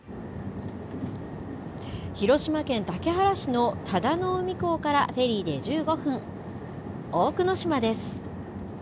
広島県竹原市の忠海港からフェリーで１５分、大久野島です。